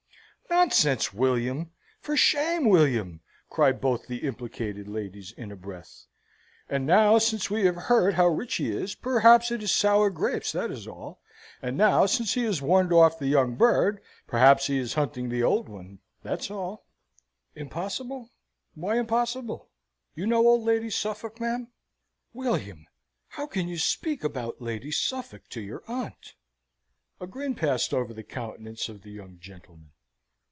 "Nonsense, William! For shame, William!" cry both the implicated ladies in a breath. "And now, since we have heard how rich he is, perhaps it is sour grapes, that is all. And now, since he is warned off the young bird, perhaps he is hunting the old one, that's all. Impossible why impossible? You know old Lady Suffolk, ma'am?" "William, how can you speak about Lady Suffolk to your aunt?" A grin passed over the countenance of the young gentleman.